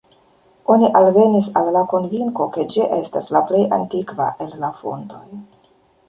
Oni alvenis al la konvinko ke ĝi estas la plej antikva el la fontoj.